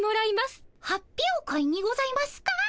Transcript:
発表会にございますか？